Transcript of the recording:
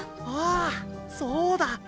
ああそうだ。